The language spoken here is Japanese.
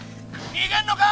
逃げんのか！